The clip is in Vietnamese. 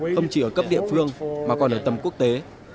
không chỉ ở cấp địa phương mà còn ở tầm quốc tế